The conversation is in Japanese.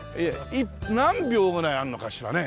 何俵ぐらいあるのかしらね？